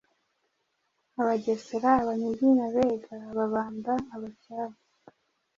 Abagesera, Abanyiginya, Abega, Ababanda, Abacyaba